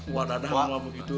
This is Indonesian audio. wadadah nggak begitu